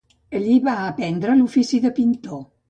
Allí va aprendre l'ofici de pintor.